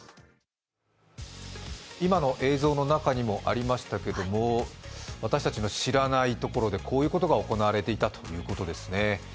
今の映像の中にもありましたけれども、私たちの知らないところでこういうことが行われていたということですね。